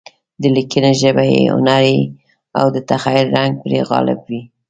د لیکنې ژبه یې هنري او د تخیل رنګ پرې غالب وي.